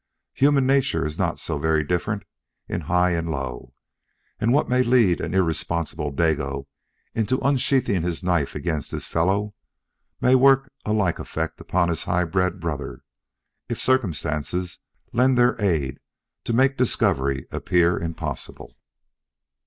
Human nature is not so very different in high and low; and what may lead an irresponsible dago into unsheathing his knife against his fellow may work a like effect upon his high bred brother if circumstances lend their aid to make discovery appear impossible.